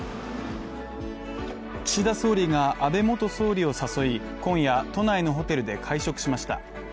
岸田総理が安倍元総理を誘い、今夜、都内のホテルで会食しました。